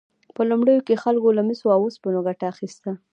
په لومړیو کې خلکو له مسو او اوسپنې ګټه اخیسته.